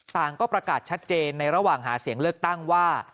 ต่างก็ประกาศชัดเจนในระหว่างหาเสียงเลือกตั้งว่า